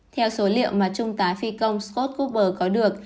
theo số liệu mà trung tá phi công scott gooper có được